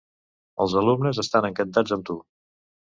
Els alumnes estan encantats amb tu!